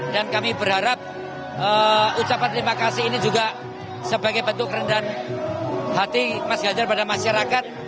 dan kami berharap ucapan terima kasih ini juga sebagai bentuk rendahan hati mas ganjar pada masyarakat